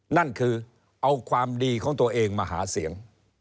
นั่นคือเอาความดีของตัวเองมาหาเสียง